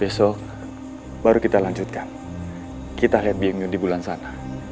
besok baru kita lanjutkan kita lihat beingnya di bulan sana